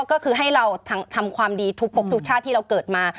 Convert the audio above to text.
ก็คือให้เราทำความดีทุกชาติที่เราเกิดมา